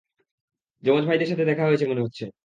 যমজ ভাইদের সাথে দেখা হয়েছে মনে হচ্ছে।